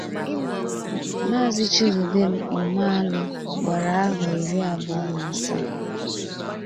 Maazị Chidubem Umealụ gbara ahọ iri abụọ na asaa